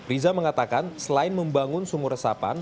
riza mengatakan selain membangun sumur resapan